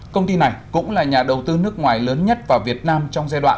công ty này cũng là nhà đầu tư nước ngoài lớn nhất vào việt nam trong giai đoạn